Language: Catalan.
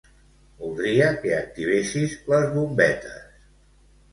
Voldria que activessis les bombetes.